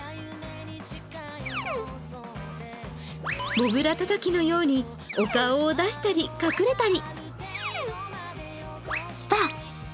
もぐらたたきのようにお顔を出したり隠れたり。